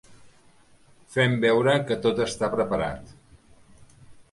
Fem veure que tot està preparat.